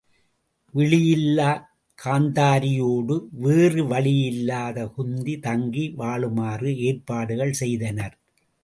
விழியில்லாக் காந்தாரியோடு வேறு வழி இல்லாது குத்தி தங்கி வாழுமாறு ஏற்பாடுகள் செய்தனர்.